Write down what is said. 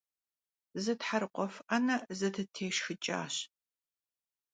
Zı therıkhuef 'ene zedıtêşşxıç'aş.